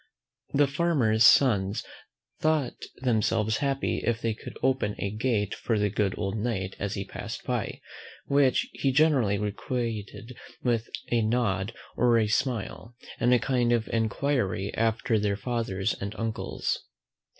The farmers' sons thought themselves happy if they could open a gate for the good old Knight as he passed by; which he generally requited with a nod or a smile, and a kind of enquiry after their fathers and uncles.